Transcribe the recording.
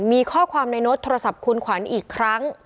มีข้อความในโน้ตโทรศัพท์คุณขวัญอีกครั้ง